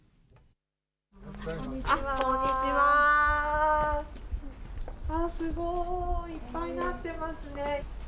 こんにちは、すごい、いっぱいなってますね。